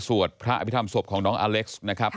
สวดพระอภิษฐรรศพของน้องอเล็กซ์นะครับ